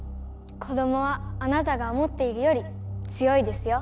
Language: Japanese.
子どもはあなたが思っているより強いですよ。